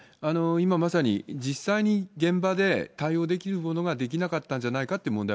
今まさに、実際に現場で対応できるものができなかったんじゃないかって問題